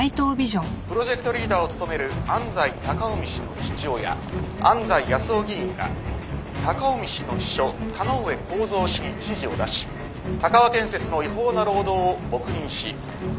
プロジェクトリーダーを務める安斎高臣氏の父親安斎康雄議員が高臣氏の秘書田之上幸三氏に指示を出し鷹和建設の違法な労働を黙認しその隠蔽を図っていました。